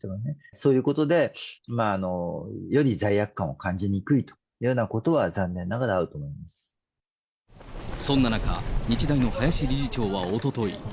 そういうことで、より罪悪感を感じにくいというようなことは、そんな中、日大の林理事長はおととい。